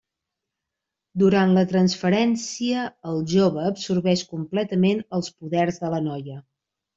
Durant la transferència el jove absorbeix completament els poders de la noia.